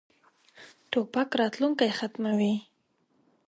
توپک راتلونکی ختموي.